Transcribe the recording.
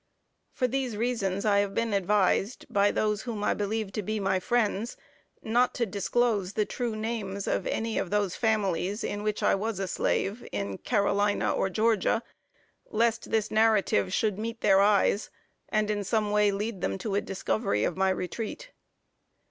For these reasons I have been advised, by those whom I believe to be my friends, not to disclose the true names of any of those families in which I was a slave, in Carolina or Georgia, lest this narrative should meet their eyes, and in some way lead them to a discovery of my retreat.